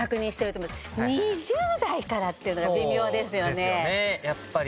そうですよねやっぱり。